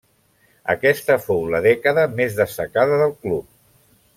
Aquesta fou la dècada més destacada del club.